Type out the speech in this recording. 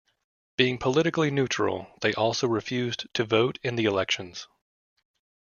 Being politically neutral, they also refused to vote in the elections.